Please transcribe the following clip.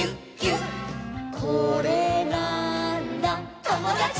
「これなーんだ『ともだち！』」